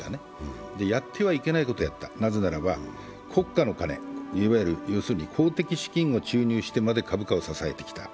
やってはいけないことをやった、なぜならば国家の金、いわゆる公的資金を注入してまで株価を支えてきた。